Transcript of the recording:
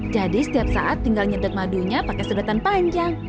jadi setiap saat tinggal nyedek madunya pakai sedetan panjang